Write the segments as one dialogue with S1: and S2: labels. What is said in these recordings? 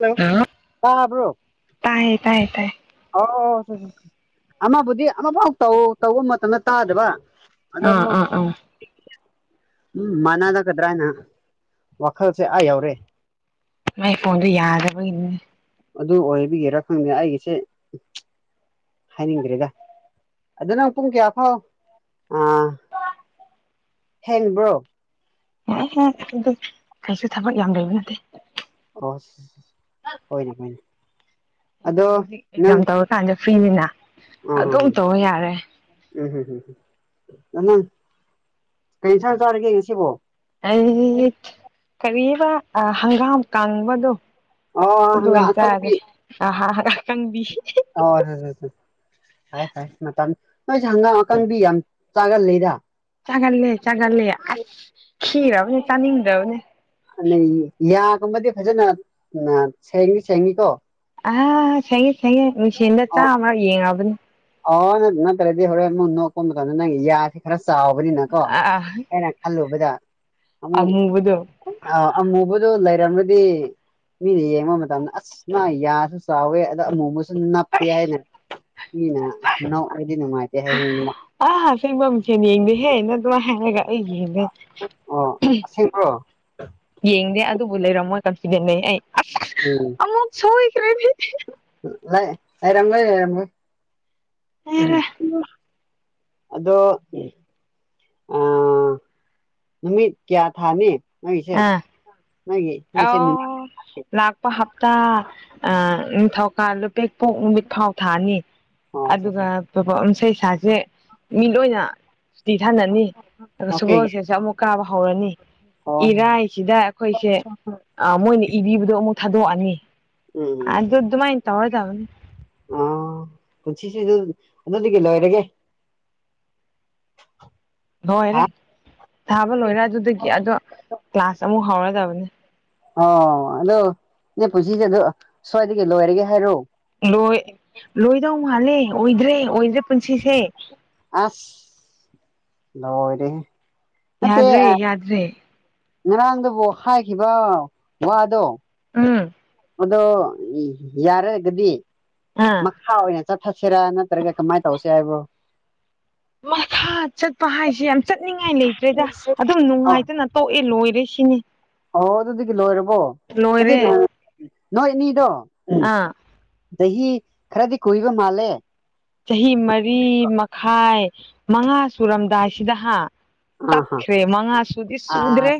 S1: ꯍꯜꯂꫭ
S2: ꯍꯜꯂꯣ
S1: ꯇꯥꯕ꯭ꯔꯣ
S2: ꯇꯥꯏꯌꯦ ꯇꯥꯏ ꯇꯥꯏ
S1: ꯑꯣ ꯑꯃꯕꯨꯗꯤ ꯑꯃꯐꯥꯎ ꯇꯧ ꯇꯧꯕ ꯃꯇꯝꯗ ꯇꯥꯗꯕ
S2: ꯑꯥ
S1: ꯑꯗꯨꯃꯨꯠ
S2: ꯑꯥ ꯑꯥ
S1: ꯎꯝ ꯃꯥꯟꯅꯗꯒꯗ꯭ꯔ ꯍꯥꯏꯅ ꯋꯥꯈꯜꯁꯦ ꯑꯥ ꯌꯧꯔꯦ
S2: ꯃꯥꯏ ꯐꯣꯟꯗꯣ ꯌꯥꯗꯕꯒꯤꯅꯦ
S1: ꯑꯗꯨ ꯑꯣꯏꯕꯤꯒꯦꯔ ꯈꯪꯗꯦ ꯑꯩꯒꯤꯁꯦ ꯍꯥꯏꯅꯤꯡꯗ꯭ꯔꯦꯒ ꯑꯗꯨ ꯅꯪ ꯄꯨꯡ ꯀꯌꯥ ꯐꯥꯎ ꯑ ꯍꯦꯟꯕ꯭ꯔꯣ
S2: ꯅꯨꯉꯥꯏꯍꯦ ꯑꯗꯨꯝ ꯀꯩꯁꯨ ꯊꯕꯛ ꯌꯥꯝ ꯂꯩꯕ ꯅꯠꯇꯦ
S1: ꯑꯣ ꯍꯣꯏꯅꯦ ꯍꯣꯏꯅꯦ
S2: ꯑꯩꯗꯤ
S1: ꯑꯗꯣ
S2: ꯍꯧꯖꯤꯛ ꯑꯦꯛꯖꯥꯝ
S1: ꯅꯪ
S2: ꯇꯧꯔꯀꯥꯟꯗ ꯐ꯭ꯔꯤꯅꯤꯅ
S1: ꯎꯝ
S2: ꯑꯗꯨꯝ ꯇꯧꯕ ꯌꯥꯔꯦ
S1: ꯎꯝꯝ ꯎꯝ ꯅ ꯀꯩ ꯑꯦꯟꯁꯥꯡ ꯆꯥꯔꯒꯦ ꯉꯁꯤꯕꯣ
S2: ꯑꯩ ꯀꯔꯤꯕ ꯍꯪꯒꯥꯝ ꯀꯪꯕꯗꯣ
S1: ꯑꯣ
S2: ꯑꯗꯨ
S1: ꯍꯪꯒꯥꯝ
S2: ꯑꯣꯏ ꯆꯥꯔꯦ
S1: ꯑꯀꯪꯕꯤ
S2: ꯑꯔ ꯀꯪꯕꯤ
S1: ꯑꯣ ꯍꯣꯏ ꯍ ꯍ ꯐꯥꯏ ꯐꯥꯏ ꯃꯇꯝ ꯅꯣꯏꯁꯦ ꯍꯪꯒꯥꯝ ꯑꯀꯪꯕꯤ ꯌꯥꯝ ꯆꯥꯒꯂꯗ
S2: ꯆꯒꯂꯦ ꯆꯒꯂꯦ
S1: ꯌꯥ ꯨꯝꯕꯗꯤ ꯐꯖꯅ ꯎ ꯁꯦꯡ ꯁꯦꯡꯉꯤ ꯀꯣ
S2: ꯑ ꯁꯌꯦꯦ ꯁꯌꯦꯦ ꯅꯨꯡꯊꯤꯟꯗ
S1: ꯑꯣ
S2: ꯆꯥꯝꯃ ꯌꯦꯡꯉꯕꯅꯦ
S1: ꯑꯣ ꯅ ꯅꯠꯇ꯭ꯔꯗꯤ ꯍꯣꯔꯦꯟ ꯑꯃꯨꯛ ꯅꯣꯛ ꯀ ꯃꯇꯝꯗ ꯅꯪ ꯌꯥꯁꯤꯦ ꯈꯔ ꯆꯥꯎꯕꯅꯤꯅꯀꯣ
S2: ꯑꯥ
S1: ꯑꯩꯅ ꯈꯜꯂꯨꯕꯗ ꯑꯃꯨꯛ
S2: ꯑꯃꯨꯕꯗꯣ
S1: ꯑ ꯑꯃꯨ ꯑꯗꯨ ꯂꯩꯔꯝꯃꯗꯤ ꯃꯤꯅ ꯌꯦꯡꯕ ꯃꯇꯝꯗ ꯑꯁ ꯃꯥ ꯌꯥꯁꯨ ꯆꯥꯎꯋꯦ ꯑꯗ ꯑꯃꯨ ꯆꯅ ꯄꯏꯅ ꯏꯅꯦ ꯃꯥꯏ ꯍꯥꯏ ꯁꯤꯗꯅ
S2: ꯑ ꯍꯥꯥ ꯁꯤꯦꯡꯕꯝꯁ ꯌꯦꯡꯗꯦ ꯍꯦ ꯅ ꯑꯗꯨꯃ ꯍ ꯑꯩ ꯌꯦꯡꯗꯦ
S1: ꯑꯣꯁꯕ꯭ꯔꯣ
S2: ꯌꯦꯡꯗꯦ ꯑꯗꯨꯕꯨ ꯂꯩꯔꯝꯃꯣꯏ ꯗ
S1: ꯎꯝ
S2: ꯑꯃꯨꯛ ꯁ꯭ꯔꯦ
S1: ꯂꯩꯔꯝ
S2: ꯍꯥꯏꯔꯦ
S1: ꯝ ꯑꯗꯣ ꯑ ꯅꯨꯃꯤꯠ ꯀꯌꯥ ꯊꯥꯅꯦ
S2: ꯑ ꯑ ꯅꯥꯛꯄ ꯍꯥ ꯇꯥ ꯑ ꯊꯀ ꯑꯂꯨ ꯄꯦꯛꯄꯣꯛ ꯅꯨꯃꯤꯠ ꯐꯥꯎ ꯊꯥꯅꯤ
S1: ꯑꯣ
S2: ꯑꯗꯨꯒ ꯄ ꯏꯁꯩ ꯏꯁꯩꯁꯥꯁꯦ ꯃꯤꯠ ꯑꯣꯏꯅ ꯇꯤ ꯊꯥꯅꯅꯤ ꯑꯗꯨꯒ
S1: ꯑꯣꯀꯦ
S2: ꯁꯒꯣꯜꯁꯦꯁꯨ ꯑꯃꯨꯛ ꯀꯥꯕ ꯍꯧꯔꯅꯤ
S1: ꯍꯣꯏ
S2: ꯏꯔꯥꯏꯁꯤꯗ ꯑꯩꯈꯣꯏꯁꯦ ꯃꯣꯏꯅ ꯏꯕꯤꯕꯗꯣ ꯑꯃꯨꯛ ꯊꯥꯗꯣꯛꯑꯅꯤ ꯑ ꯑꯗꯨ ꯑꯗꯨ ꯃꯥꯏꯟ ꯇꯧꯗꯕꯅꯤ
S1: ꯑ ꯄꯨꯟꯁꯤ ꯑꯗꯨꯗꯤ ꯀ ꯂꯣꯏꯔꯒꯦ
S2: ꯍꯣꯏꯔꯦ
S1: ꯍꯥ
S2: ꯊꯥꯕ ꯂꯣꯏꯔ ꯑꯗꯨꯗꯒꯤ ꯑꯗꯣ ꯀ꯭ꯂꯥꯁ ꯑꯃꯨꯛ ꯍꯧꯔꯗꯕꯅꯤ
S1: ꯑꯣ ꯑꯗꯨꯣ ꯅ ꯄꯨꯟꯁꯤꯁꯦ ꯑꯗꯨ ꯁ꯭ꯋꯥꯏꯗꯒꯤ ꯂꯣꯏꯔꯒꯦ ꯍꯥꯏꯔꯛꯑꯣ
S2: ꯂꯣꯏ ꯂꯣꯏꯗꯧ ꯃꯥꯜꯂꯦ ꯑꯣꯏꯗ꯭ꯔꯦ ꯑꯣꯏꯗ꯭ꯔꯦ ꯄꯨꯟꯁꯤꯁꯦ
S1: ꯑꯁ ꯂꯔꯦ
S2: ꯌꯥꯗꯔꯦ ꯌꯥꯗꯔꯦ ꯫
S1: ꯉꯔꯥꯡꯗꯨꯕꯨ ꯍꯥꯏꯈꯤꯕ ꯋꯥꯗꯣ
S2: ꯎꯝ
S1: ꯑꯗꯣ ꯌꯥꯔꯒꯗꯤ
S2: ꯑꯥ
S1: ꯃꯈꯥ ꯑꯣꯏꯅ ꯆꯠꯊꯛꯁꯤꯔꯥ ꯅꯠꯇ꯭ꯔꯒ ꯀꯃꯥꯏꯅ ꯇꯧꯁꯦ ꯍꯥꯏꯕꯣ
S2: ꯃꯊꯥ ꯆꯠꯄ ꯍꯥꯏꯁꯦ ꯌꯥꯝ ꯆꯠꯅꯤꯡꯉꯥꯏ ꯂꯩꯇ꯭ꯔꯦꯗ ꯑꯗꯨꯝ
S1: ꯑꯧ
S2: ꯅꯨꯡꯉꯥꯏꯇꯅ ꯇꯣꯛꯑꯦ ꯂꯣꯏꯔꯦ ꯁꯤꯅꯦ
S1: ꯑꯣ ꯑꯗꯨꯗꯤ ꯀꯂꯣꯔ ꯅ ꯅꯣꯏ ꯏꯅꯤꯗꯣ
S2: ꯑꯥ
S1: ꯆꯍꯤꯍꯤ ꯈꯔꯗꯤ ꯀꯨꯏꯕ ꯃꯥꯜꯂꯦ
S2: ꯈꯥꯏ ꯃꯉꯥ ꯁꯨꯔꯝꯗꯥꯏꯁꯤꯗ ꯍꯥ
S1: ꯑꯥ ꯍꯥ
S2: ꯇꯈ꯭ꯔꯦ ꯃꯉꯥ ꯁꯗꯤꯤ
S1: ꯑꯥ
S2: ꯁꯗꯔꯦ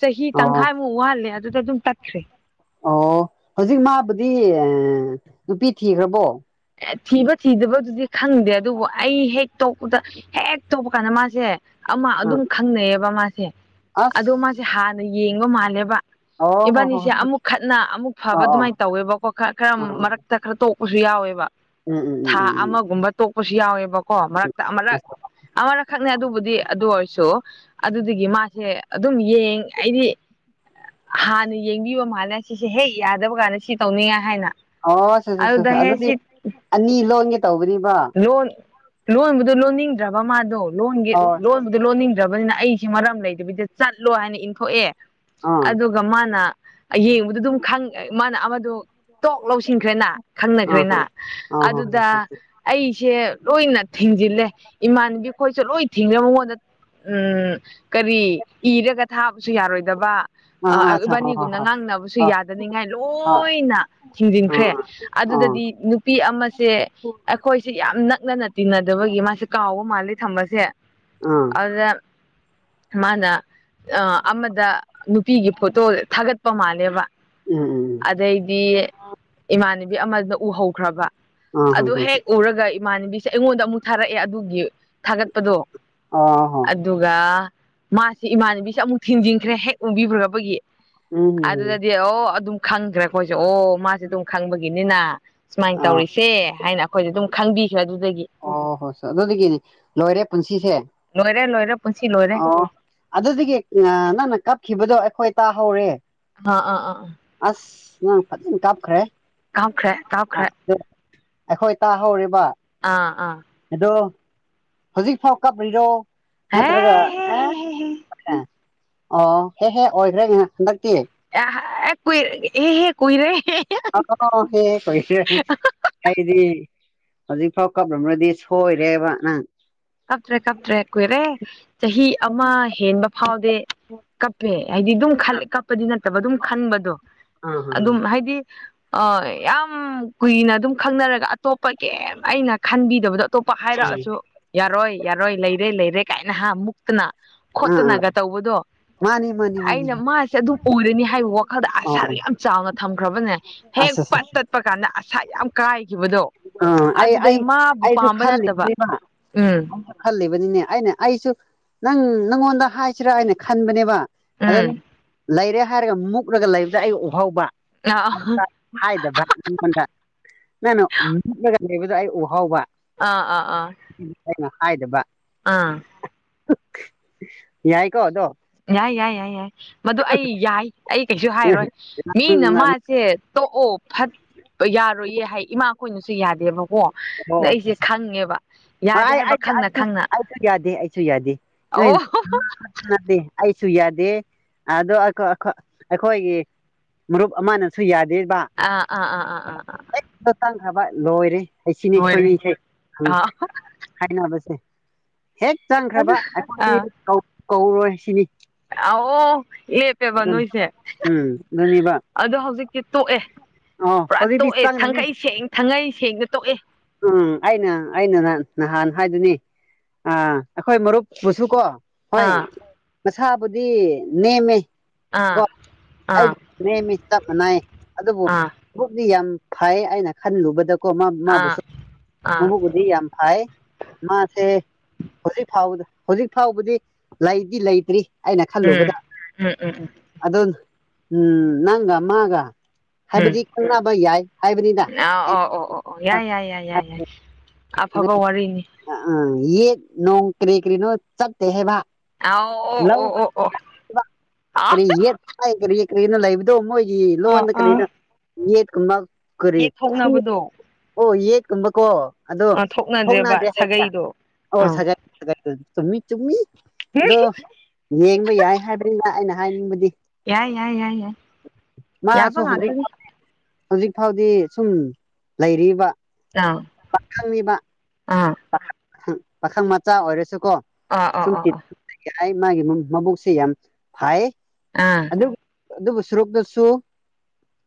S2: ꯆꯍꯤ
S1: ꯑꯣ
S2: ꯇꯪꯈꯥꯏꯃꯨꯛ ꯋꯥꯍꯜꯂꯦ ꯑꯗꯨꯗ ꯑꯗꯨꯝ ꯇꯠꯈ꯭ꯔꯦ
S1: ꯑꯣ ꯍꯧꯖꯤꯛ ꯃꯥꯕꯨꯗꯤ ꯅꯨꯄꯤ ꯊꯤꯈ꯭ꯔꯕꯣ
S2: ꯊꯤꯕ ꯊꯤꯗꯕꯗꯨꯗꯤ ꯈꯪꯗꯦ ꯑꯗꯨꯕꯨ ꯑꯩ ꯍꯦꯛ ꯇꯣꯛꯄꯗ ꯍꯦꯛ ꯇꯣꯛꯄ ꯀꯥꯟꯗ ꯃꯥꯁꯦ ꯑꯃ ꯑꯗꯨꯝ
S1: ꯑꯥ
S2: ꯈꯪꯅꯩꯌꯦꯕ ꯃꯥꯁꯦ ꯑꯗꯣ
S1: ꯑꯁ
S2: ꯃꯥꯁꯦ ꯍꯥꯟꯅ ꯌꯦꯡꯕ ꯃꯥꯜꯂꯦꯕ
S1: ꯑꯣ ꯍꯣ ꯍꯣ
S2: ꯏꯕꯥꯅꯤꯁꯦ ꯑꯃꯨꯛ ꯈꯠꯅ ꯑꯃꯨꯛ ꯐꯕ ꯑꯗꯨꯃꯥꯏꯅ
S1: ꯑꯣ
S2: ꯇꯧꯋꯦꯕꯀꯣ ꯈꯔ ꯈꯔ
S1: ꯑꯣ ꯑ
S2: ꯃꯔꯛꯇ ꯈꯔ ꯇ ꯇꯣꯛꯄꯁꯨ ꯌꯥꯎꯋꯦꯕ
S1: ꯎꯝ ꯎꯝ ꯎꯝ
S2: ꯊꯥ
S1: ꯎꯝ
S2: ꯑꯃꯒꯨꯝꯕ ꯇꯣꯛꯄꯁꯨ ꯌꯥꯎꯋꯦꯕ ꯀꯣ
S1: ꯎꯝ
S2: ꯃꯔ ꯈꯛꯅꯦ ꯑꯗꯨꯕꯨꯗꯤ ꯑꯗꯨ ꯑꯣꯏꯔꯁꯨ ꯑꯗꯨꯗꯒꯤ ꯃꯥꯁꯦ ꯑꯗꯨꯝ ꯌꯦꯡ ꯑꯩꯗꯤ ꯍꯥꯟꯅ ꯌꯦꯡꯕꯤꯕ ꯃꯥꯜꯂꯦ ꯁꯤꯁꯦ ꯍꯦꯛ ꯌꯥꯗꯕ ꯀꯥꯟꯗ ꯁꯤ ꯇꯧꯅꯤꯡꯉꯥꯏ ꯍꯥꯏꯅ
S1: ꯑꯣ
S2: ꯑꯗꯨꯗ
S1: [unintelligible]
S2: ꯍꯦꯛ
S1: ꯑꯗꯨꯗꯤ
S2: ꯁꯤ
S1: ꯑꯅꯤ ꯂꯣꯟꯒꯦ ꯇꯧꯕꯅꯤ꯫
S2: ꯂꯣꯟ ꯂꯣꯟꯕꯗꯨ ꯂꯣꯟꯅꯤꯡꯗ꯭ꯔꯕ ꯃꯥꯗꯣ ꯂꯣꯟꯒꯤ
S1: ꯑꯣ ꯑꯥ
S2: ꯂꯣꯟꯕꯗꯨ ꯂꯣꯟꯅꯤꯡ ꯔꯕꯅꯤꯅ ꯑꯩꯁꯤ ꯃꯔꯝ ꯂꯩꯗꯕꯤꯗ ꯆꯠꯂꯣ ꯍꯥꯏꯅ ꯏꯟꯊꯣꯛꯑꯦ
S1: ꯑꯥ
S2: ꯑꯗꯨꯒ ꯃꯥꯅ ꯌꯦꯡꯕꯗ ꯑꯗꯨꯝ ꯈꯪꯉꯦ ꯃꯥꯅ ꯑꯃꯗꯣ ꯇꯣꯛ ꯂꯧꯁꯤꯟꯈ꯭ꯔꯦꯅ ꯈꯪꯅꯈ꯭ꯔꯦꯅ
S1: ꯑꯥ ꯑ ꯍꯣꯏ
S2: ꯑꯗꯨꯗ ꯑꯩꯁꯦ ꯂꯣꯏꯅ ꯊꯤꯡꯖꯤꯜꯂꯦ ꯏꯃꯥꯟꯅꯕꯤ ꯈꯣꯏꯁꯨ ꯂꯣꯏ ꯊꯤꯡꯅꯕ ꯃꯉꯣꯟꯗ ꯎꯝ ꯀꯔꯤ ꯏꯔꯒ ꯊꯥꯕꯁꯨ ꯌꯥꯔꯣꯏꯗꯕ
S1: ꯑꯥ ꯑꯥ ꯑꯆꯥ ꯍ ꯍ
S2: ꯕꯥꯅꯤꯒꯨꯝꯅ
S1: ꯍ
S2: ꯉꯥꯡꯅꯕꯁꯨ
S1: ꯍ
S2: ꯌꯥꯗꯅꯤꯡꯉꯥꯏ
S1: ꯍ ꯑ ꯑ ꯑ
S2: ꯂꯣꯏꯅ ꯊꯤꯡꯖꯤꯟꯈ꯭ꯔꯦ ꯑꯥ ꯑꯗꯨꯗꯗꯤ ꯅꯨꯄꯤ ꯑꯃꯁꯦ ꯑꯩꯈꯣꯏꯁꯦ ꯌꯥꯝ ꯅꯛꯅꯅ ꯇꯤꯟꯅꯗꯕꯒꯤ ꯃꯥꯁꯦ ꯀꯥꯎꯕ ꯃꯥꯜꯂꯤ ꯊꯝꯕꯁꯦ꯫
S1: ꯎꯝ
S2: ꯑꯗꯨꯗ ꯃꯥꯅ ꯑꯃꯗ ꯅꯨꯄꯤꯒꯤ ꯐꯣꯇꯣ ꯊꯥꯒꯠꯄ ꯃꯥꯜꯂꯦꯕ꯫
S1: ꯎꯝ
S2: ꯑꯗꯩꯗꯤ ꯏꯃꯥꯟꯅꯕꯤ ꯑꯃꯅ ꯎꯍꯧꯈ꯭ꯔꯕ
S1: ꯎ ꯍꯝ
S2: ꯑꯗꯨ
S1: ꯍꯝ
S2: ꯍꯦꯛ ꯎꯔꯒ ꯏꯃꯥꯟꯅꯕꯤꯁꯦ ꯑꯩꯉꯣꯟꯗ ꯑꯃꯨꯛ ꯊꯥꯔꯛꯑꯦ ꯑꯗꯨꯒꯤ ꯊꯥꯒꯠꯄꯗꯣ
S1: ꯑ ꯍ ꯑ ꯍꯣ
S2: ꯑꯗꯨꯒ ꯃꯥꯁꯤ ꯏꯃꯥꯟꯅꯕꯤꯁꯦ ꯑꯃꯨꯛ ꯊꯤꯡꯖꯤꯟꯈ꯭ꯔꯦ ꯍꯦꯛ ꯎꯕꯤꯔꯨꯔꯕꯒꯤ꯫
S1: ꯎꯝ ꯎꯝ ꯎꯝ
S2: ꯑꯗꯨꯗꯗꯤ ꯑꯣ ꯑꯗꯨꯝ ꯈꯪꯒꯔꯦ ꯑꯩꯈꯣꯏꯁꯨ ꯑꯣ ꯃꯥꯁꯦ ꯑꯗꯨꯝ ꯈꯪꯕꯒꯤꯅꯤꯅ꯫ ꯁꯨꯃꯥꯏ
S1: ꯑ
S2: ꯇꯧꯔꯤꯁꯦ ꯍꯥꯏꯅ꯫ ꯑꯩꯈꯣꯏꯁꯦ ꯑꯗꯨꯝ ꯈꯪꯕꯤꯈ꯭ꯔꯦ ꯑꯗꯨꯗꯒꯤ
S1: ꯑꯣ ꯍꯣꯏ ꯑꯗꯨꯗꯒꯤꯅꯤ ꯂꯣꯏꯔꯦ ꯄꯨꯟꯁꯤꯁꯦ꯫
S2: ꯂꯣꯏꯔꯦ-ꯂꯣꯏꯔꯦ꯫
S1: ꯑꯣ ꯑꯗꯨꯗꯒꯤ ꯅꯪꯅ ꯀꯞꯈꯤꯕꯗꯣ ꯑꯩꯈꯣꯏ ꯇꯥꯍꯧꯔꯦ꯫
S2: ꯑꯥ ꯑꯥ ꯑꯥ ꯑꯥ
S1: ꯑꯁ ꯅꯪ ꯑꯗꯨꯝ ꯀꯞꯈ꯭ꯔꯦ꯫
S2: ꯀꯞꯈ꯭ꯔꯦ-ꯀꯞꯈ꯭ꯔꯦ꯫
S1: ꯑꯩꯈꯣꯏ ꯇꯥꯍꯧꯔꯦꯕ꯫
S2: ꯑꯥ
S1: ꯍꯧꯖꯤꯛꯐꯥꯎ ꯀꯞꯄꯤꯔꯣ
S2: ꯍꯦ
S1: ꯅꯠꯇ꯭ꯔꯒ
S2: ꯍꯦ ꯍꯦ
S1: ꯑꯦꯡ꯫
S2: ꯍꯦ ꯍꯦ
S1: ꯑꯣ ꯍꯦ-ꯍꯦ ꯑꯣꯏꯈ꯭ꯔꯦ ꯍꯟꯗꯛꯇꯤ꯫
S2: ꯑꯦ ꯀꯨꯏꯔꯦ ꯍꯦ-ꯍꯦ ꯀꯨꯏꯔꯦ꯫
S1: ꯑꯣꯏꯈꯔ꯭ꯦ ꯑꯩꯗꯤ꯫ ꯍꯧꯖꯤꯛꯐꯥꯎ ꯀꯞꯂꯝ꯭ꯔꯗꯤ ꯁꯣꯏꯔꯦꯕ ꯅꯪ꯫
S2: ꯀꯞꯇ꯭ꯔꯦ-ꯀꯞꯇ꯭ꯔꯦ ꯀꯨꯏꯔꯦ ꯆꯍꯤ ꯑꯃ ꯍꯦꯟꯕ ꯐꯥꯎꯗꯤ ꯀꯞꯄꯦ꯫ ꯍꯥꯏꯗꯤ ꯑꯗꯨꯝ ꯈꯟꯂꯦ ꯀꯞꯄꯗꯤ ꯅꯠꯇꯕ ꯑꯗꯨꯝ ꯈꯟꯕꯗꯣ
S1: ꯑꯥ ꯑꯥ
S2: ꯑꯗꯨꯝ ꯍꯥꯏꯗꯤ꯫ ꯑ ꯌꯥꯝ ꯀꯨꯏꯅ ꯑꯗꯨꯝ ꯈꯪꯅꯔꯒ ꯑꯇꯣꯞꯄ ꯀꯦꯝ ꯑꯩꯅ ꯈꯟꯕꯤꯗꯕꯗꯣ꯫ ꯑꯇꯣꯞꯄ ꯍꯥꯏꯔꯛꯑꯁꯨ ꯌꯥꯔꯣꯏ-ꯌꯥꯔꯣꯏ ꯂꯩꯔꯦ-ꯂꯩꯔꯦ ꯀꯥꯏꯅ ꯍꯥ ꯃꯨꯛꯇꯅ꯫
S1: ꯑꯥ
S2: ꯈꯣꯠꯇꯅꯒ ꯇꯧꯕꯗꯣ꯫
S1: ꯃꯥꯅꯤ ꯃꯥꯅꯤ ꯃꯥꯅꯤ
S2: ꯑꯩꯅ ꯃꯥꯁꯦ ꯑꯗꯨꯝ ꯎꯔꯅꯤ ꯍꯥꯏꯕ ꯋꯥꯈꯜꯗ
S1: ꯑꯣ
S2: ꯑꯁꯥꯗ ꯌꯥꯝ ꯆꯥꯎꯅ ꯊꯝꯈ꯭ꯔꯕꯅꯦ ꯍꯦꯛ꯫
S1: ꯑꯁ ꯑꯁ
S2: ꯇꯠꯄ ꯀꯥꯟꯗ ꯑꯁꯥ ꯌꯥꯝ꯫ ꯀꯥꯏꯈꯤꯕꯗꯣ
S1: ꯑ ꯑꯩ-ꯑꯩ
S2: ꯑꯗꯨꯗꯩ ꯃꯥꯕꯨ
S1: ꯑꯩꯁꯨ
S2: ꯄꯥꯝꯕ ꯅꯠꯇꯕ
S1: ꯈꯜꯂꯤꯃꯦꯕ꯫
S2: ꯎꯝ
S1: ꯑꯩꯁꯨ ꯈꯜꯂꯤꯕꯅꯤꯅꯦ ꯑꯩꯅ ꯑꯩꯁꯨ ꯅꯪ ꯅꯪꯉꯣꯟꯗ ꯍꯥꯏꯁꯤꯔꯥ ꯑꯩꯅ ꯈꯟꯕꯅꯦꯕ꯫
S2: ꯎꯝ
S1: ꯑꯗꯨꯗ ꯂꯩꯔꯦ ꯍꯥꯏꯔꯒ ꯃꯨꯛꯂꯒ ꯂꯩꯕꯗ ꯑꯩ ꯎꯍꯥꯎꯕ꯫
S2: ꯑꯥ ꯑꯥ
S1: ꯑꯗꯨꯗ ꯍꯥꯏꯗꯕ ꯅꯪꯉꯣꯟꯗ ꯅꯪꯅ꯫ ꯃꯨꯛꯂꯒ ꯂꯩꯕꯗꯣ ꯑꯩ ꯎꯍꯥꯎꯕ꯫
S2: ꯑꯥ ꯑꯥ ꯑꯥ꯫
S1: ꯍꯥꯏꯗꯕ꯫
S2: ꯑꯥ꯫
S1: ꯌꯥꯏꯀꯣ ꯗꯣ꯫
S2: ꯌꯥꯏ ꯌꯥꯏ ꯌꯥꯏ ꯌꯥꯏ ꯃꯗꯨ ꯑꯩ ꯌꯥꯏ ꯑꯩ ꯀꯩꯁꯨ ꯍꯥꯏꯔꯣꯏ ꯃꯤꯅ ꯃꯥꯁꯦ꯫ ꯑꯣ-ꯑꯣ ꯐꯠ ꯌꯥꯔꯣꯏꯌꯦ ꯍꯥꯏ ꯏꯃꯥ ꯈꯣꯏꯅꯁꯨ ꯌꯥꯗꯦꯕ꯫
S1: ꯑꯣ ꯑꯩꯁꯨ
S2: ꯌꯥꯗꯦ ꯍꯥꯏꯕ ꯈꯪꯅ ꯈꯪꯅ
S1: ꯑꯩꯁꯨꯨ ꯌꯥꯗꯦ ꯑꯩꯁꯨꯨ ꯌꯥꯗꯦ꯫ ꯎꯝ
S2: ꯑꯣ
S1: ꯌꯥꯗꯦ꯫ ꯑꯩꯁꯨ ꯌꯥꯗꯦ ꯑꯗꯣ ꯑꯩꯈꯣꯏꯒꯤ ꯃꯔꯨꯞ ꯑꯃꯅꯁꯨ ꯌꯥꯗꯦ꯫ ꯗꯦꯕ꯫
S2: ꯑꯥ ꯑꯥ ꯑꯥ ꯑꯥ ꯑꯥ ꯑꯥ
S1: ꯐꯕ ꯂꯣꯏꯔꯦ ꯑꯁꯤꯅꯤ
S2: ꯂꯣꯏꯔꯦ
S1: ꯑꯩꯈꯣꯏꯅꯤꯁꯦ
S2: ꯑꯥ
S1: ꯍꯥꯏꯅꯕꯁꯦ꯫ ꯍꯦꯛ
S2: ꯑꯗꯨ
S1: ꯆꯪꯈ꯭ꯔꯕ
S2: ꯑꯥ
S1: ꯑꯩꯗꯤ ꯀꯧꯔꯣꯏ ꯁꯤꯅꯤ꯫
S2: ꯑꯣ꯫ ꯂꯦꯞꯄꯦꯕ
S1: ꯑꯗꯨꯅ
S2: ꯅꯣꯏꯁꯦ
S1: ꯎꯝ ꯑꯗꯨꯅꯦꯕ
S2: ꯑꯗꯣ ꯍꯧꯖꯤꯛꯇꯤ ꯇꯣꯛꯑꯦ꯫
S1: ꯑꯣ
S2: ꯄꯨꯔꯥ
S1: ꯍꯧꯖꯤꯛꯇꯤ
S2: ꯇꯣꯛꯑꯦ
S1: ꯆꯪꯈ꯭ꯔꯅꯤ
S2: ꯊꯥꯡꯈꯩ ꯁꯦꯡ-ꯊꯥꯡꯈꯩ ꯁꯦꯡꯅ ꯇꯣꯛꯑꯦ꯫
S1: ꯎꯝ ꯑꯩꯅ-ꯑꯩꯅ ꯅꯥꯟ ꯅꯍꯥꯟ꯫ ꯍꯥꯏꯗꯨꯅꯤ ꯑ ꯑꯩꯈꯣꯏ ꯃꯔꯨꯞꯄꯨꯁꯨ ꯀꯣ ꯍꯣꯏ꯫
S2: ꯑꯥ
S1: ꯃꯁꯥꯕꯨꯗꯤ ꯅꯦꯝꯃꯦ꯫
S2: ꯑꯥ
S1: ꯀꯣ ꯑꯩ
S2: ꯑꯥ
S1: ꯅꯦꯝꯃꯤ ꯆꯞ ꯃꯅꯩ ꯑꯗꯨꯕꯨ
S2: ꯑꯥ
S1: ꯄꯨꯛꯇꯤ ꯌꯥꯝ꯫ ꯐꯩ ꯑꯩꯅ ꯈꯜꯂꯨꯕꯗꯀꯣ
S2: ꯑꯥ
S1: ꯃꯥꯕꯨꯁꯨ
S2: ꯑꯥ
S1: ꯃꯕꯨꯛꯄꯨꯗꯤ ꯌꯥꯝ ꯐꯩ꯫ ꯃꯥꯁꯦ ꯍꯧꯖꯤꯛ ꯐꯥꯎꯕ-ꯍꯧꯖꯤꯛ ꯐꯥꯎꯕꯗꯤ ꯂꯩꯗꯤ ꯂꯩꯇ꯭ꯔꯤ꯫ ꯑꯩꯅ
S2: ꯎꯝ
S1: ꯈꯜꯂꯨꯕꯗ
S2: ꯎꯝ ꯎꯝ ꯎꯝ
S1: ꯑꯗꯨ ꯎꯝ ꯅꯪꯒ ꯃꯥꯒ꯫
S2: ꯎꯝ
S1: ꯍꯥꯏꯕꯗꯤ ꯈꯪꯅꯕ ꯌꯥꯏ ꯍꯥꯏꯕꯅꯤꯅ꯫
S2: ꯑ ꯑꯣ ꯑꯣ ꯑꯣ ꯑꯣ ꯌꯥꯏ ꯌꯥꯏ ꯌꯥꯏ ꯌꯥꯏ ꯌꯥꯏ ꯑꯐꯕ ꯋꯥꯔꯤꯅꯤ꯫
S1: ꯌꯦꯛ ꯅꯣꯡ ꯀꯔꯤ-ꯀꯔꯤꯅꯣ ꯆꯠꯇꯦ ꯍꯥꯏꯕ꯫
S2: ꯑ ꯑꯣ ꯑꯣ ꯑꯣ ꯑꯣ ꯑ
S1: ꯂꯔꯤꯔꯤ ꯀꯩꯅ ꯂꯩꯕꯗꯣ ꯃꯣꯏꯒꯤ
S2: ꯑꯥ
S1: ꯂꯣꯟꯗ
S2: ꯑꯥ
S1: ꯀꯔꯤꯅ ꯌꯦꯠꯀꯕ ꯀꯔꯤ
S2: ꯌꯦꯠꯊꯣꯛꯅꯕꯗꯣ
S1: ꯑꯣ ꯌꯦꯕ ꯀꯣ ꯑꯗꯣ
S2: ꯑ
S1: ꯊꯅꯥꯗꯦ
S2: ꯊꯣꯛꯅꯗ꯭ꯔꯦꯕ
S1: ꯍꯥꯏꯕ꯭ꯔꯥ
S2: ꯁꯥꯒꯩꯗꯣ ꯑꯥ
S1: ꯑꯣꯃꯤ ꯆꯃꯤ ꯑꯗ ꯌꯦꯡꯕ ꯌꯥꯏ ꯍꯥꯏꯕꯅꯤꯅ ꯑꯩꯅ ꯍꯥꯏꯅꯤꯡꯕꯗꯤ
S2: ꯌꯥꯏ ꯌꯥꯏ ꯌꯥꯏ ꯌꯥꯏ
S1: ꯃꯥꯁꯨ
S2: ꯌꯥꯕꯪ ꯑ
S1: ꯍꯧꯖꯤꯛ
S2: ꯀꯗꯤ
S1: ꯍꯧꯖꯤꯛ ꯐꯥꯎꯗꯤ ꯁꯨꯝ ꯂꯩꯔꯤꯕ
S2: ꯑꯥ
S1: ꯀꯕꯤꯕ
S2: ꯑꯥ
S1: ꯄꯥꯈꯪ ꯃꯆꯥ ꯑꯣꯏꯔꯁꯨ
S2: ꯑꯥ ꯑ ꯑ ꯑ
S1: ꯍꯥꯏ ꯃꯥꯒꯤ ꯃꯕꯨꯛꯁꯤꯦ ꯌꯥꯝ ꯐꯥꯏ
S2: ꯑꯥ
S1: ꯑꯗꯨꯕꯨ ꯁꯨꯔꯨꯇꯨꯁꯨ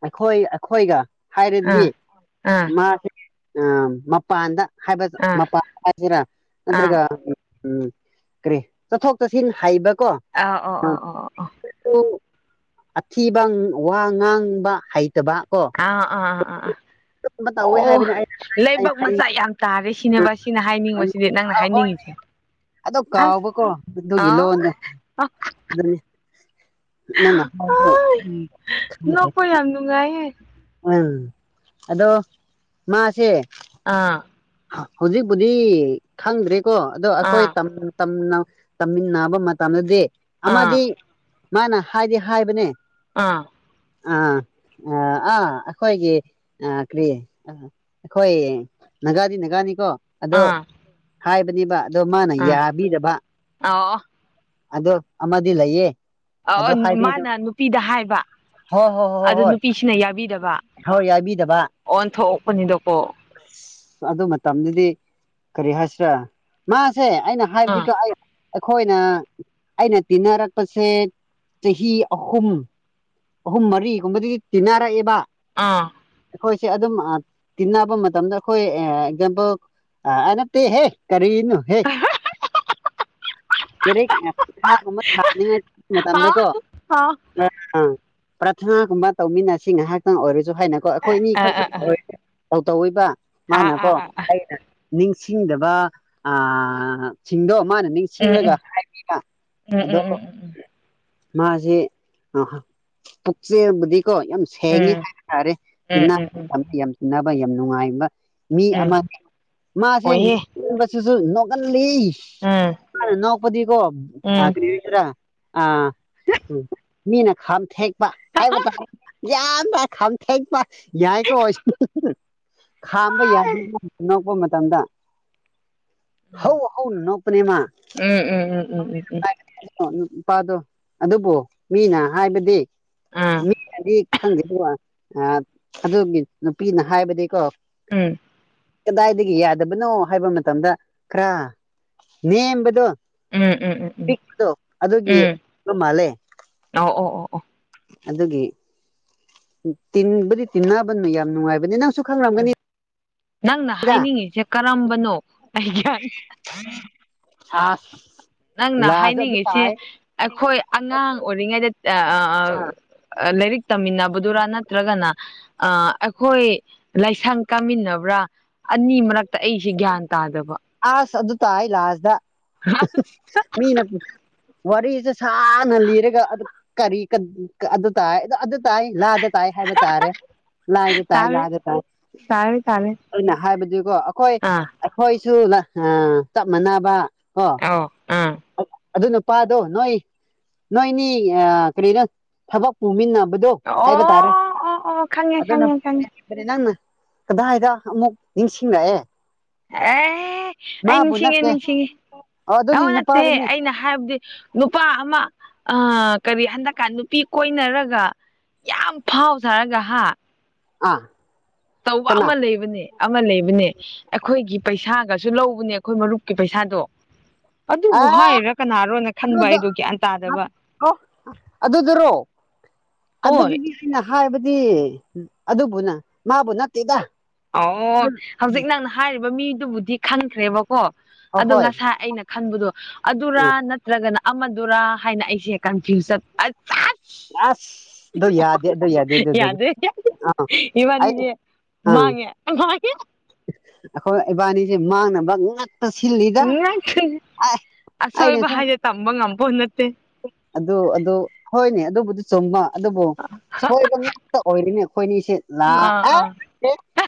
S1: ꯑꯩꯈꯣꯏ ꯑꯩꯈꯣꯏꯒ ꯍꯥꯏꯔꯗꯤ
S2: ꯑꯥ ꯑꯥ
S1: ꯃꯥꯁꯦ ꯃꯄꯥꯟꯗ ꯍꯥꯏꯕ
S2: ꯑꯥ ꯑꯥ
S1: ꯃꯄꯥꯥꯟ ꯍꯥꯏꯁꯤꯔꯥ
S2: ꯑꯥ
S1: ꯅꯠꯇ꯭ꯔꯒ ꯎꯝ ꯀꯔꯤ ꯆꯠꯊꯣꯛ ꯆꯠꯁꯤꯟ ꯍꯩꯕ ꯀꯣ
S2: ꯑꯥ ꯑꯥ ꯑꯣ ꯑꯣ ꯑꯣ ꯑꯣ
S1: ꯑꯊꯤꯕ ꯋꯥ ꯉꯥꯡꯕ ꯍꯥꯏ
S2: ꯑꯥ ꯑꯥ ꯑꯥ ꯑꯥ
S1: ꯑꯗꯨꯝꯕ ꯇꯧꯋꯦ
S2: ꯑꯣ
S1: ꯍꯥꯏꯕꯅꯤ ꯑꯩ
S2: ꯂꯩꯕꯛ ꯃꯆꯥ ꯌꯥꯝ ꯇꯥꯔꯤ ꯁꯤꯅꯕ ꯁꯤꯅ ꯍꯥꯏꯅꯤꯡꯕꯁꯤꯗꯤ ꯅꯪꯅ
S1: ꯍꯣꯏ
S2: ꯍꯥꯏꯅꯤꯡꯉꯤꯁꯦ
S1: ꯑꯗꯣ
S2: ꯑꯁ
S1: ꯀꯥꯎꯕꯀꯣ ꯑꯗꯨꯒꯤ
S2: ꯑ
S1: ꯂꯣꯟꯗ ꯅꯃ
S2: ꯅꯣꯛꯄ ꯌꯥꯝ ꯅꯨꯡꯉꯥꯏꯌꯦ
S1: ꯎꯝ ꯑꯗꯣ ꯃꯥꯁꯦ
S2: ꯑꯥ
S1: ꯍꯧꯖꯤꯛꯄꯨꯗꯤ ꯈꯪꯗ꯭ꯔꯦꯀꯣ ꯑꯗꯣ ꯑꯩꯈꯣꯏ
S2: ꯑꯥ
S1: ꯇꯝꯃꯤꯟꯅꯕ ꯃꯇꯝꯗꯗꯤ
S2: ꯑꯥ
S1: ꯑꯃꯗꯤ ꯃꯥꯅ ꯍꯥꯏꯗꯤ ꯍꯥꯏꯕꯅꯦ
S2: ꯑꯥ
S1: ꯑꯥ ꯑ ꯑꯥ ꯑꯩꯈꯣꯏꯒꯤ ꯑ ꯀꯔꯤ ꯑ ꯑꯩꯈꯣꯏ ꯅꯥꯒꯥꯗꯤ ꯅꯥꯒꯥꯅꯤꯀꯣ ꯑꯗꯣ
S2: ꯑꯥ
S1: ꯍꯥꯏꯕꯅꯦꯕ ꯑꯗꯣ ꯃꯥꯅ
S2: ꯑꯥ
S1: ꯌꯥꯕꯤꯔꯕ
S2: ꯑꯣ
S1: ꯑꯗ ꯑꯃꯗꯤꯂꯌꯦꯦ
S2: ꯑ ꯃꯥꯅ ꯅꯨꯄꯤꯗ ꯍꯥꯏꯕ
S1: ꯍꯣꯏ ꯍꯣꯏ ꯍꯣꯏ ꯍꯣꯏ
S2: ꯑꯗꯨ
S1: ꯍꯣꯏ
S2: ꯅꯨꯄꯤꯁꯤꯅ ꯌꯥꯕꯤꯗꯕ
S1: ꯍꯣꯏ ꯌꯥꯕꯤꯗꯕ
S2: ꯑꯣꯟ ꯊꯣꯛꯛꯄꯅꯤꯗꯀꯣ
S1: ꯑ ꯑꯗꯨ ꯃꯇꯝꯗꯨꯗꯤ ꯀꯔꯤ ꯍꯥꯏꯁꯤꯔꯥ ꯃꯥꯁꯦ ꯑꯩꯅ
S2: ꯑꯥ
S1: ꯍꯥꯏꯕꯗꯤꯀꯣ ꯑꯩꯈꯣꯏꯅ ꯑꯩꯅ ꯇꯤꯟꯅꯔꯛꯄꯁꯦ ꯆꯍꯤ ꯑꯍꯨꯝ ꯑꯍꯨꯝ ꯃꯔꯤꯒꯨꯝꯕꯗꯨꯗꯤ ꯇꯤꯟꯅꯔꯛꯑꯦꯕ
S2: ꯑꯥ
S1: ꯑꯩꯈꯣꯏꯁꯦ ꯑꯗꯨꯝ ꯇꯤꯟꯅꯕ ꯃꯇꯝꯗ ꯑꯩꯈꯣꯏ ꯑꯦꯛꯖꯥꯝꯄꯜ ꯍꯥꯏ ꯅꯞꯇꯦꯍꯦ ꯀꯔꯤꯅꯣ ꯍꯦ ꯒꯨꯝꯕ ꯊꯥꯛꯅꯤꯡꯉꯥꯏ
S2: ꯑꯥ ꯑꯥ
S1: ꯃꯇꯝꯗꯀꯣ ꯄ꯭ꯔꯥꯊꯅꯥꯒꯨꯝꯕ ꯇꯧꯃꯤꯟꯅꯁꯤ ꯉꯥꯏꯍꯥꯛꯇꯪ ꯑꯣꯏꯔꯁꯨ ꯍꯥꯏꯅꯀꯣ ꯑꯩꯈꯣꯏ ꯑꯅꯤ ꯈꯛꯇꯪ
S2: ꯑꯥ
S1: ꯑꯣꯏ ꯇꯧ ꯇꯧꯤꯕ
S2: ꯑꯥ
S1: ꯃꯥꯅꯀꯣ
S2: ꯑꯥ
S1: ꯑꯩꯅ ꯅꯤꯡꯁꯤꯡꯗꯕ ꯑ ꯁꯤꯡꯗꯣ ꯃꯥꯅ ꯅꯤꯡꯁꯤꯡꯉꯒ
S2: ꯑꯥ
S1: ꯍꯥꯏꯒꯕ
S2: ꯎꯝ
S1: ꯑꯗꯣ
S2: ꯎꯝ ꯎꯝ ꯎꯝ
S1: ꯃꯥꯁꯦ ꯑ ꯄꯨꯆꯦ ꯀꯣ ꯌꯥꯝ ꯁꯦꯡꯉꯦ
S2: ꯎꯝ
S1: ꯍꯥꯏꯇꯥꯔꯦ
S2: ꯎꯝ ꯎꯝ ꯎꯝ
S1: ꯌꯥꯝ ꯆꯤꯅꯕ ꯌꯥꯝ ꯅꯨꯡꯉꯥꯏꯕ ꯃꯤ
S2: ꯎꯝ
S1: ꯑꯃ ꯃꯥꯁꯦ ꯅꯕꯁꯤꯁꯨ ꯅꯣꯛꯍꯜꯂꯤ
S2: ꯑꯝ
S1: ꯄꯗꯤꯒꯣꯇ꯭ꯔꯥ ꯑ ꯎꯝ ꯃꯤꯅ ꯈꯥꯝ ꯊꯦꯛꯄ ꯍꯥꯏꯕ ꯇꯥꯔꯦ ꯌꯥꯝꯗ꯭ꯔ ꯈꯥꯝ ꯊꯦꯛꯄ ꯌꯥꯏ ꯀꯣ ꯈꯥꯝꯕ ꯌꯥꯗꯗ꯭ꯔꯥ ꯅꯣꯛꯄ ꯃꯇꯝꯗ ꯍ ꯍꯧꯅꯥ ꯅꯣꯛꯄꯥꯅꯦ ꯃꯥ
S2: ꯎꯝ ꯎꯝ ꯎꯝ ꯎꯝ ꯎꯝ ꯎꯝ ꯎꯝ
S1: ꯅꯨꯄꯥꯗꯣ ꯑꯗꯨꯕꯨ ꯃꯤꯅ ꯍꯥꯏꯕꯗꯤ
S2: ꯑꯥ
S1: ꯃꯤꯅꯗꯤ ꯈꯪꯗꯦꯕ ꯑꯗꯨꯒꯤ ꯅꯨꯄꯤꯅ ꯍꯥꯏꯕꯗꯤꯀꯣ
S2: ꯎꯝ
S1: ꯀꯗꯥꯏꯗꯒꯤ ꯌꯥꯗꯕꯅꯣ ꯍꯥꯏꯕ ꯃꯇꯝꯗ ꯈꯔ ꯅꯦꯝꯕꯗꯣ
S2: ꯎꯝ ꯎꯝ ꯎꯝ ꯎꯝ
S1: ꯑꯄꯤꯛꯄꯗꯣ ꯑꯗꯨꯒꯤ
S2: ꯎꯝ
S1: ꯃꯥꯜꯂꯦ
S2: ꯑꯣ ꯑꯣ ꯑꯣ ꯑꯣ
S1: ꯑꯗꯨꯒꯤ ꯇꯤꯟꯕꯨꯗꯤ ꯇꯤꯟꯅꯕꯅꯣ ꯌꯥꯝ ꯅꯨꯡꯉꯥꯏꯕꯅꯤ ꯅꯪꯁꯨ
S2: ꯎꯝ
S1: ꯈꯪꯔꯝꯒꯅꯤ
S2: ꯅꯪꯅ ꯍꯥꯏꯅꯤꯡꯉꯤꯁꯦ ꯀꯔꯝꯕꯅꯣ ꯑꯩꯒꯤ
S1: ꯑ
S2: ꯅꯪꯅ ꯍꯥꯏꯅꯤꯡꯉꯤꯁꯤ ꯑꯩꯈꯣꯏ ꯑꯉꯥꯡ ꯑꯣꯏꯔꯤꯉꯩꯗ ꯂꯥꯏꯔꯤꯛ ꯇꯝꯃꯤꯟꯅꯕꯗꯨꯔꯥ ꯅꯠꯇ꯭ꯔꯒꯅ ꯑꯩꯈꯣꯏ ꯂꯥꯏꯁꯪ ꯀꯥꯃꯤꯟꯅꯕ꯭ꯔꯥ ꯑꯅꯤ ꯃꯔꯛꯇ ꯑꯩꯁꯦ ꯒ꯭ꯌꯥꯟ ꯇꯥꯗꯕ
S1: ꯑꯁ ꯑꯗꯨ ꯇꯥꯏ ꯂꯥꯁꯇ ꯃꯤꯅ ꯋꯥꯔꯤꯁꯦ ꯁꯥꯟꯅ ꯂꯤꯔꯒ ꯑꯗꯨ ꯀꯔꯤ ꯑꯗꯨ ꯇꯥꯏ ꯇꯥꯏ ꯂꯥꯗ ꯇꯥꯏ ꯍꯥꯏꯕ ꯇꯥꯔꯦ ꯂꯥꯏꯗ ꯇꯥꯏ
S2: ꯇꯥꯔꯦ
S1: ꯂꯥꯗ ꯇꯥꯏ
S2: ꯇꯥꯔꯦ ꯇꯥꯔꯦ
S1: ꯑꯩꯅ ꯍꯥꯏꯕꯗꯨꯀꯣ ꯑꯩꯈꯣꯏ
S2: ꯑꯥ
S1: ꯑꯩꯈꯣꯏꯁꯨ ꯆꯞ ꯃꯥꯟꯅꯕ ꯀꯣ
S2: ꯑ
S1: ꯑꯗꯨ ꯅꯨꯄꯥꯗꯣ ꯅꯣꯏ ꯅꯣꯏꯅꯤ ꯀꯔꯤꯅꯣ ꯊꯕꯛ ꯄꯨꯃꯤꯟꯅꯕ ꯗꯣ
S2: ꯑꯣ
S1: ꯍꯥꯏꯕ ꯇꯥꯔꯦ
S2: ꯑꯣ ꯑꯣ ꯈꯪꯉꯦ
S1: ꯑꯗꯨꯣꯅ
S2: ꯈꯪꯉꯦ ꯈꯪꯉꯦ
S1: ꯅꯪꯅ ꯀꯗꯥꯏꯗ ꯑꯃꯨꯛ ꯅꯤꯡꯁꯤꯡꯂꯛꯑꯦ
S2: ꯑꯦ ꯑꯩ
S1: ꯃꯥꯕꯨ
S2: ꯅꯤꯡꯁꯤꯡꯉꯦ
S1: ꯅꯠꯇꯦ
S2: ꯅꯤꯡꯁꯤꯡꯉꯦ
S1: ꯑꯣ ꯑꯗꯨꯅꯤ
S2: ꯑꯃꯥ ꯅꯠꯇꯦ
S1: ꯅꯨꯄꯥꯗꯨꯅꯤ
S2: ꯑꯩꯅ ꯍꯥꯏꯕꯗꯤ ꯅꯨꯄꯥ ꯑꯃ ꯑ ꯀꯔꯤ ꯍꯟꯗꯛꯀꯥꯟ ꯅꯨꯄꯤ ꯀꯣꯏꯅꯔꯒ ꯌꯥꯝ ꯐꯥꯎ ꯁꯥꯔꯒ ꯍꯥ
S1: ꯑꯥ
S2: ꯇꯧꯕ
S1: ꯀꯅꯥ
S2: ꯑꯃ ꯂꯩꯕꯅꯦ ꯑꯃ ꯂꯩꯕꯅꯦ ꯑꯩꯈꯣꯏꯒꯤ ꯄꯩꯁꯥꯒꯁꯨ ꯂꯧꯕꯅꯦ ꯑꯩꯈꯣꯏ ꯃꯔꯨꯞꯀꯤ ꯄꯩꯁꯥꯗꯣ
S1: ꯑ
S2: ꯑꯗꯨꯕꯨ ꯍꯥꯏꯔꯥ ꯀꯅꯥꯔꯣꯅ ꯈꯟꯕ
S1: ꯑꯗꯨꯗꯣ
S2: ꯑꯩꯗꯣ ꯒ꯭ꯌꯥꯟ ꯇꯥꯗꯕ
S1: ꯑꯣ ꯑꯗꯨꯗꯨꯔꯣ
S2: ꯍꯣꯏ
S1: ꯑꯗꯨꯗꯒꯤ ꯑꯩꯅ ꯍꯥꯏꯕ ꯑꯗꯨ ꯑꯗꯨꯕꯨꯅ ꯃꯥꯕꯨ ꯅꯠꯇꯦꯗ
S2: ꯑꯣ ꯍꯧꯖꯤꯛ ꯅꯪꯅ ꯍꯥꯏꯔꯤꯕ ꯃꯤꯗꯨꯕꯨꯗꯤ ꯈꯪꯈ꯭ꯔꯦꯕꯀꯣ ꯑꯗꯣ
S1: ꯑꯍꯣꯏ
S2: ꯉꯁꯥꯏ ꯑꯩꯅ ꯈꯟꯕꯗꯣ ꯑꯗꯨꯔꯥ
S1: ꯎꯝ
S2: ꯅꯠꯇ꯭ꯔꯒꯅ ꯑꯃꯗꯨꯔꯥ ꯍꯥꯏꯅ ꯑꯩꯁꯦ ꯀꯟꯐ꯭ꯌꯨꯁ ꯆꯠ [unintelligible]
S1: ꯑꯁ ꯑꯗꯨ ꯌꯥꯗꯦ ꯑꯗꯨ ꯌꯥꯗꯦ ꯑꯗꯨꯗꯤ ꯑ ꯑꯩꯠ
S2: ꯃꯥꯥꯡꯉꯦ ꯃꯥꯉꯦ
S1: ꯑꯩꯈꯣꯏ ꯏꯕꯥꯅꯤꯁꯦ ꯃꯥꯡꯅꯕ ꯉꯥꯛ
S2: [unintelligible] ꯑꯁꯣꯏꯕ
S1: ꯑꯩꯅꯁꯨ
S2: ꯍꯥꯌꯖꯦ ꯇꯝꯕ ꯉꯝꯕ ꯅꯠꯇꯦ
S1: ꯑꯗꯨ ꯑꯗꯨ ꯍꯣꯏꯅꯦ ꯑꯗꯨꯕꯨꯗꯤ ꯆꯨꯝꯕ ꯑꯗꯨꯕꯨ ꯁꯣꯏꯕ ꯉꯥꯛꯇ ꯑꯣꯏꯔꯤꯅꯦ ꯑꯩꯈꯣꯏꯅꯤꯁꯤ
S2: ꯑꯥ
S1: ꯂꯥꯛꯑꯦ
S2: ꯑꯥ